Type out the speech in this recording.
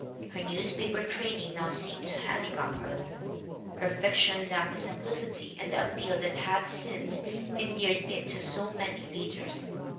Her newspaper training now seemed to handicap her, "her fiction lacked the simplicity and the appeal that have since endeared it to so many readers."